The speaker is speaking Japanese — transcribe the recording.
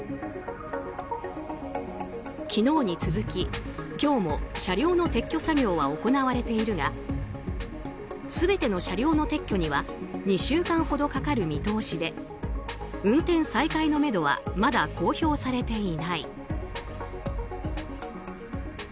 昨日に続き、今日も車両の撤去作業は行われているが全ての車両の撤去には２週間ほどかかる見通しで運転再開のめどはまだ公表されていない。